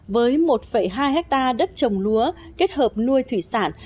với một hai hectare đất trồng lúa kết hợp nuôi thủy sản